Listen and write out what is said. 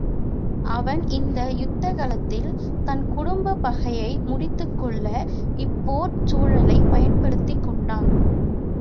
அவன் இந்த யுத்த களத்தில் தன்குடும்பப் பகையை முடித்துக் கொள்ள இப்போர்ச் சூழலைப் பயன்படுத்திக் கொண்டான்.